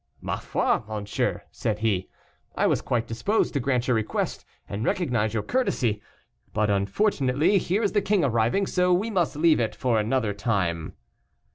"Ma foi, monsieur," said he, "I was quite disposed to grant your request, and recognize your courtesy, but unfortunately here is the king arriving, so we must leave it for another time."